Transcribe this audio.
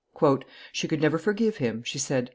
"She could never forgive him," she said.